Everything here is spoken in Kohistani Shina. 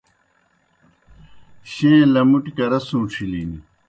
شیں لمُٹیْ کرہ سُوݩڇِھلِن